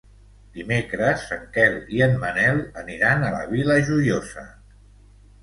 Dimecres en Quel i en Manel aniran a la Vila Joiosa.